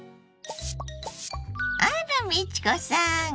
あら美智子さん！